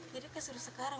jadi sudah sekarang